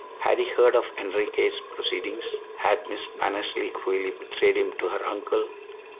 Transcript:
Had he heard of Enriquez' proceedings? Had Miss Mannersley cruelly betrayed him to her uncle?